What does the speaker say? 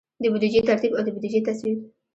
د بودیجې ترتیب او د بودیجې تصویب.